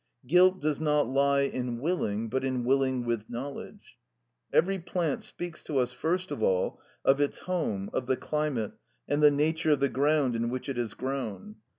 Guilt does not lie in willing, but in willing with knowledge. Every plant speaks to us first of all of its home, of the climate, and the nature of the ground in which it has grown.